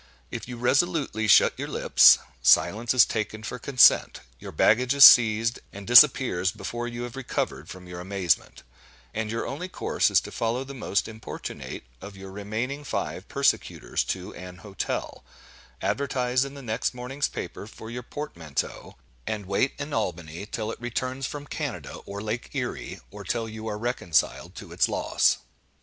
If you resolutely shut your lips, silence is taken for consent; your baggage is seized, and disappears before you have recovered from your amazement; and your only course is to follow the most importunate of your remaining five persecutors to an hotel; advertise in the next morning's paper for your portmanteau; and wait in Albany till it returns from Canada or Lake Erie, or till you are reconciled to its loss.